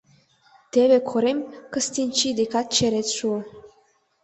Теве Корем Кыстинчи декат черет шуо.